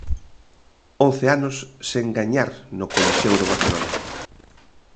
Once anos sen gañar no Coliseo do Barcelona.